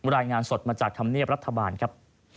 รายงานสดมาจากธรรมเนียบรัฐบาลครับ